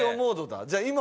じゃあ今。